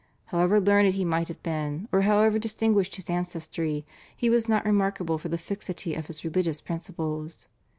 However learned he might have been, or however distinguished his ancestry, he was not remarkable for the fixity of his religious principles.